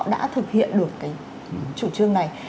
đã thực hiện được cái chủ trương này